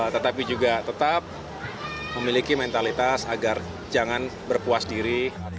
tetapi juga tetap memiliki mentalitas agar jangan berpuas diri